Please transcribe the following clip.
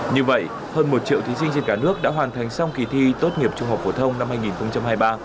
như vậy hơn một triệu thí sinh trên cả nước đã hoàn thành xong kỳ thi tốt nghiệp trung học phổ thông năm hai nghìn hai mươi ba